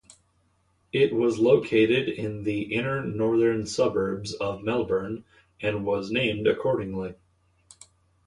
It was located in the inner northern suburbs of Melbourne, and was named accordingly.